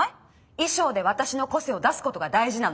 衣装で私の個性を出すことが大事なの。